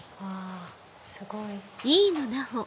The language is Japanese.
すごい。